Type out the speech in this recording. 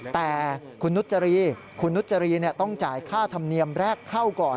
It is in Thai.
แต่คุณนุจรีคุณนุจรีต้องจ่ายค่าธรรมเนียมแรกเข้าก่อน